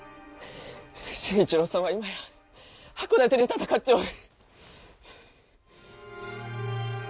成一郎さんは今や箱館で戦っておる。